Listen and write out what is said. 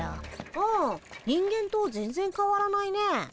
うん人間と全然変わらないね。